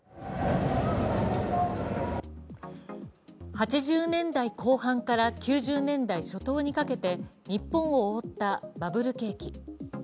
８０年代後半から９０年代初頭にかけて日本を覆ったバブル景気。